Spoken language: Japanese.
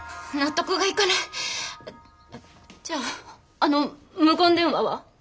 じゃああの無言電話は？